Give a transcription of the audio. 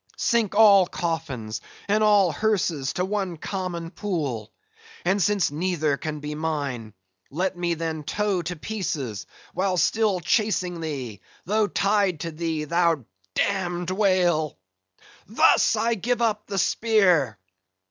Sink all coffins and all hearses to one common pool! and since neither can be mine, let me then tow to pieces, while still chasing thee, though tied to thee, thou damned whale! Thus, I give up the spear!"